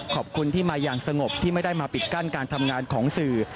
ขอบคุณที่มาอย่างสงบที่ไม่ได้มาปิดกั้นการทำงานของสื่อ